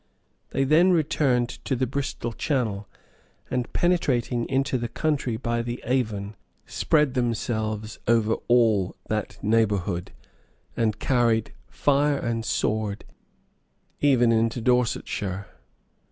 They then returned to the Bristol Channel; and penetrating into the country by the Avon, spread themselves over all that neighborhood, and carried fire and sword even into Dorsetshire.